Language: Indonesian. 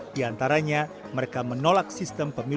di antaranya mereka menolak sistem pemilu